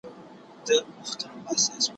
چي يوه به لاپي كړې بل به خندله